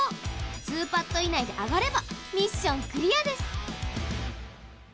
２パット以内であがればミッションクリアです！